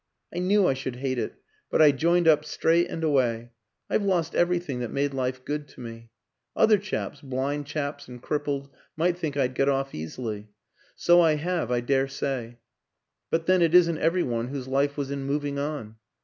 I knew I should hate it, but I joined up straight and away. ... I've lost everything that made life good to me. Other chaps blind chaps and crippled might think I'd got off easily. So I have, I dare say; but then it isn't every one whose life was in moving on.